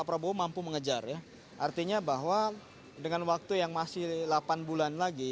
pak prabowo mampu mengejar ya artinya bahwa dengan waktu yang masih delapan bulan lagi